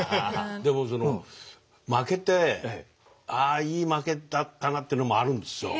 でも負けて「あいい負けだったな」というのもあるんですよ。